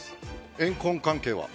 怨恨関係は？